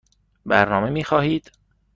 برنامه می خواهید؟